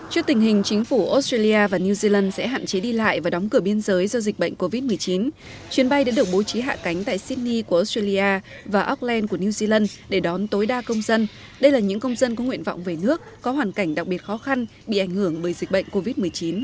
trước tình hình chính phủ australia và new zealand sẽ hạn chế đi lại và đóng cửa biên giới do dịch bệnh covid một mươi chín chuyến bay đã được bố trí hạ cánh tại sydney của australia và auckland của new zealand để đón tối đa công dân đây là những công dân có nguyện vọng về nước có hoàn cảnh đặc biệt khó khăn bị ảnh hưởng bởi dịch bệnh covid một mươi chín